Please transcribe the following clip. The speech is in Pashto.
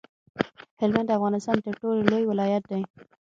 هلمند د افغانستان تر ټولو لوی ولایت دی